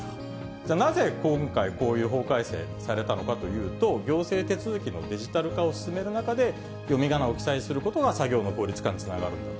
じゃあ、なぜ、今回、こういう法改正されたのかというと、行政手続きのデジタル化を進める中で、読み仮名を記載することが、作業の効率化につながると。